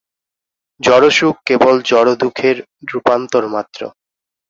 জড়সুখ কেবল জড়দুঃখের রূপান্তর মাত্র।